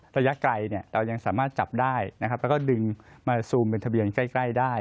ระยะไกลเรายังสามารถจับได้นะครับแล้วก็ดึงมาซูมเป็นทะเบียนใกล้ได้